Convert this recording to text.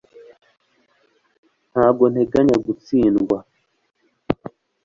ntabwo nteganya gutsindwa